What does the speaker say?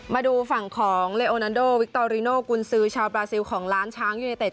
มาดูฝั่งของเลโอนันโดวิกตอริโนกุญซือชาวบราซิลของล้านช้างยูเนเต็